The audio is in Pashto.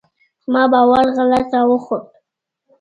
زما باور غلط راوخوت.